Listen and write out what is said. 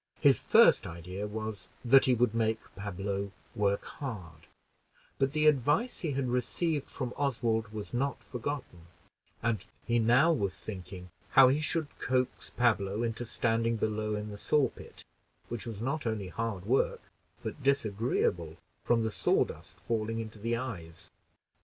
His first idea was that he would make Pablo work hard, but the advice he had received from Oswald was not forgotten; and he now was thinking how he should coax Pablo into standing below in the sawpit, which was not only hard work, but disagreeable from the sawdust falling into the eyes.